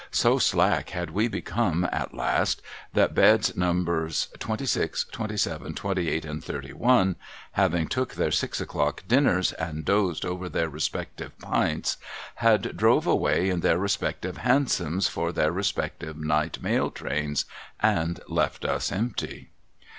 So slack had we become at last, that Beds Nos. 26, 27, 28, and 31, having took their six o'clock dinners, and dozed over their respective pints, had drove away in their respective Hansoms for their respective Night Mail trains and left us empty.